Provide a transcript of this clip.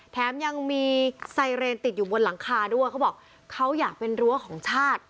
แถมยังมีไซเรนติดอยู่บนหลังคาด้วยเขาบอกเขาอยากเป็นรั้วของชาติ